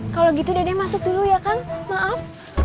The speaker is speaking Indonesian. kalau gitu deh masuk dulu ya kang maaf